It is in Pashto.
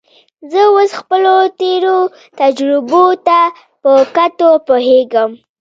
زه اوس خپلو تېرو تجربو ته په کتو پوهېږم.